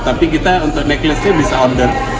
tapi kita untuk necklace nya bisa order